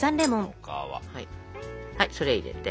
はいそれ入れて。